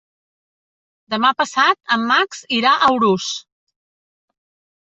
Demà passat en Max irà a Urús.